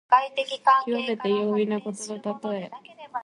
きわめて容易なことのたとえ。